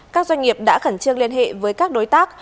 các doanh nghiệp đã khẩn trương liên hệ với các đối tác